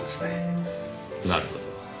なるほど。